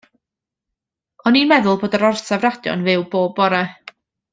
O'n i'n meddwl bod yr orsaf radio yn fyw bob bore?